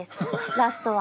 ラストは。